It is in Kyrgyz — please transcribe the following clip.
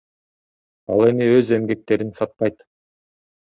Ал эми өз эмгектерин сатпайт.